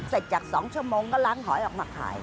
เสร็จจาก๒ชั่วโมงก็ล้างหอยออกมาขาย